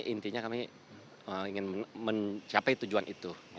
intinya kami ingin mencapai tujuan itu